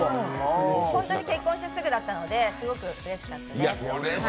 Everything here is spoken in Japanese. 本当に結婚してすぐだったので、すごくうれしかったです。